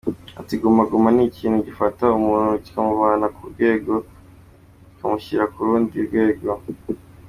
Ati : "Guma Guma ni ikintu gifata umuntu kikamuvana ku rwego kikamushyira ku rundi rwego.